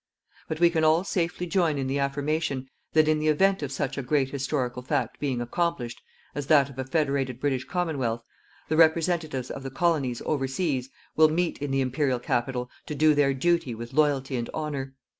But we can all safely join in the affirmation that in the event of such a great historical fact being accomplished as that of a federated British Commonwealth, the representatives of the Colonies overseas will meet in the Imperial Capital to do their duty with loyalty and honour.